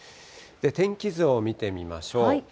天気図を見てみましょう。